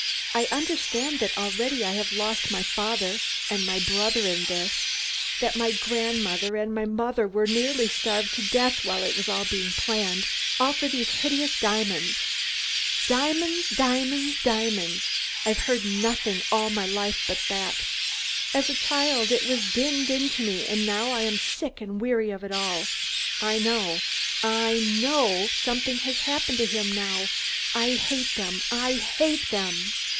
I understand that already I have lost my father and my brother in this; that my grandmother and my mother were nearly starved to death while it was all being planned; all for these hideous diamonds. Diamonds! Diamonds! Diamonds! I've heard nothing all my life but that. As a child it was dinned into me, and now I am sick and weary of it all. I know I know something has happened to him now. I hate them! I hate them!"